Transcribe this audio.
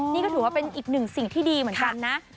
นี่ก็ถือว่าเป็นอีกหนึ่งสิ่งที่ดีเหมือนกันนะ